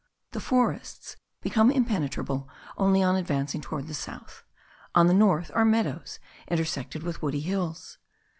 The forests become impenetrable only on advancing toward the south; on the north are meadows intersected with woody hills.